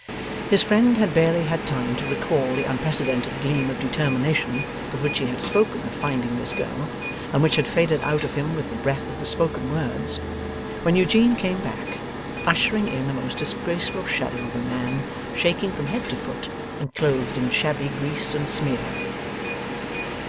His friend had barely had time to recall the unprecedented gleam of determination with which he had spoken of finding this girl, and which had faded out of him with the breath of the spoken words, when Eugene came back, ushering in a most disgraceful shadow of a man, shaking from head to foot, and clothed in shabby grease and smear.